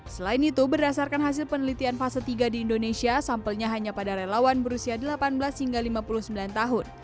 selain itu berdasarkan hasil penelitian fase tiga di indonesia sampelnya hanya pada relawan berusia delapan belas hingga lima puluh sembilan tahun